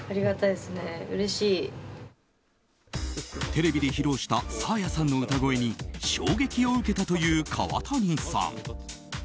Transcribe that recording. テレビで披露したサーヤさんの歌声に衝撃を受けたという川谷さん。